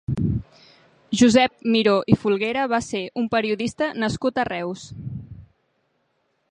Josep Miró i Folguera va ser un periodista nascut a Reus.